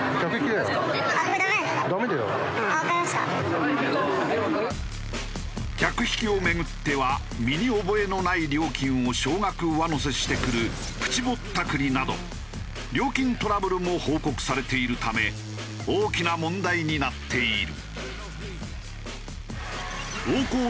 そこで早速渋谷区の客引きを巡っては身に覚えのない料金を小額上乗せしてくるプチぼったくりなど料金トラブルも報告されているため大きな問題になっている。